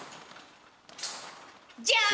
じゃん！